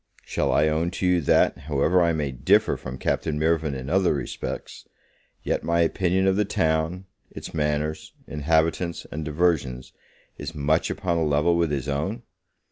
Shall I own to you, that, however I may differ from Captain Mirvan in other respects, yet my opinion of the town, its manners, inhabitants, and diversions, is much upon upon a level with his own?